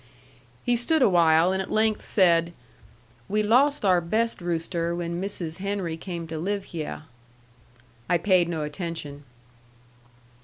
He stood awhile, and at length said, "We lost our best rooster when Mrs. Henry came to live hyeh." I paid no attention.